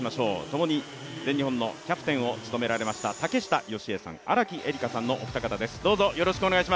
ともに全日本のキャプテンを務められました竹下佳江さん、荒木絵里香さんのお二方です。